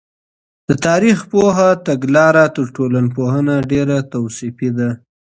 د تاریخ پوه تګلاره تر ټولنپوه ډېره توصیفي ده.